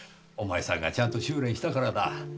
お前さんがちゃんと修練したからだ。